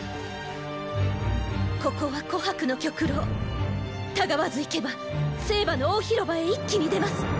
ここは「虎伯の曲廊」。違わず行けば「青馬の大広場」へ一気に出ます。